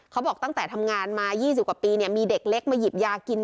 เขาบอกตั้งแต่ทำงานมา๒๐กว่าปีมีเด็กเล็กมาหยิบยากิน